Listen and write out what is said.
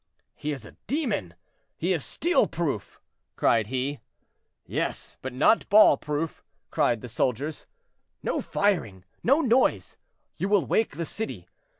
"He is a demon; he is steel proof!" cried he. "Yes; but not ball proof!" cried the soldiers. "No firing; no noise; you will wake the city.